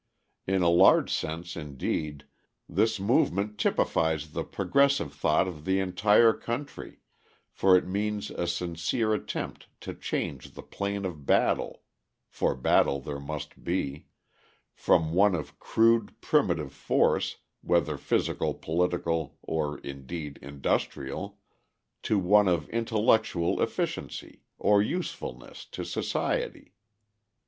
In a large sense, indeed, this movement typifies the progressive thought of the entire country for it means a sincere attempt to change the plane of battle (for battle there must be) from one of crude, primitive force, whether physical, political, or, indeed, industrial, to one of intellectual efficiency or usefulness to society.